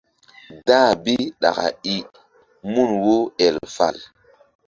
Dah bi ɗaka i I mun wo el fal.